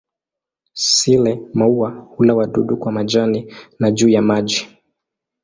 Sile-maua hula wadudu kwa majani na juu ya maji.